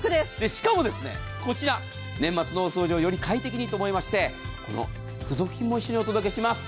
しかもこちら年末の大掃除をより快適にと思いましてこの付属品も一緒にお届けします。